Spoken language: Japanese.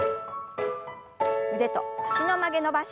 腕と脚の曲げ伸ばし。